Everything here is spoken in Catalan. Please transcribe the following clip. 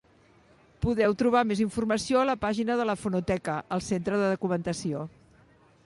Podeu trobar més informació a la pàgina de la Fonoteca, al Centre de documentació.